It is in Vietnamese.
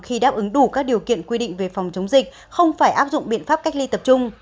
khi đáp ứng đủ các điều kiện quy định về phòng chống dịch không phải áp dụng biện pháp cách ly tập trung